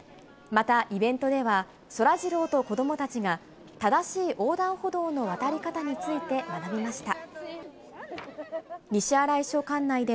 またイベントでは、そらジローと子どもたちが、正しい横断歩道の渡り方について学びました。